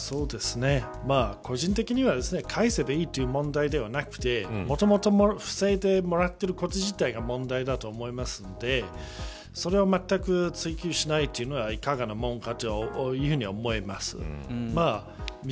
個人的には返せばいいという問題ではなくてもともと、不正でもらっていること自体が問題だと思いますのでそれを全く追及しないでいるのはいかがなものかというふうには思います。